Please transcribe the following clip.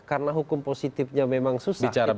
karena hukum positifnya memang susah